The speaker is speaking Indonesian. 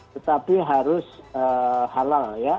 tetapi harus halal ya